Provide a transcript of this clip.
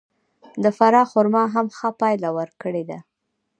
د فراه خرما هم ښه پایله ورکړې ده.